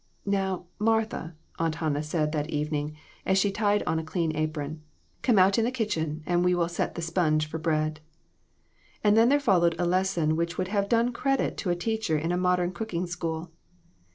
"Now, Martha," Aunt Hannah said that even ing as she tied on a clean apron, "come out in the kitchen, and we will set the sponge for bread." And then there followed a lesson which would have done credit to a teacher in a modern cooking school.